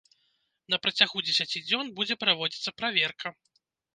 На працягу дзесяці дзён будзе праводзіцца праверка.